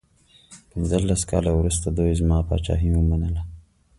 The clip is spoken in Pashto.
پنځلس کاله وروسته دوی زما پاچهي ومنله.